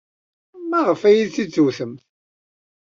Maɣef ay iyi-d-tewtemt?